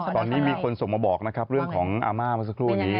ตอนนี้มีคนส่งมาบอกเรื่องของอามาก็สักครู่วันนี้